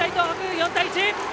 ４対１！